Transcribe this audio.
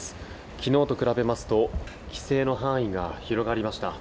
昨日と比べますと規制の範囲が広がりました。